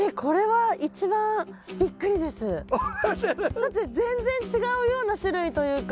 だって全然違うような種類というか。